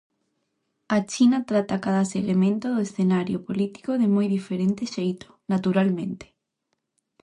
A China trata a cada segmento do escenario político de moi diferente xeito, naturalmente.